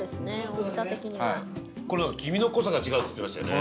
飯尾：これは、黄身の濃さが違うって言ってましたよね。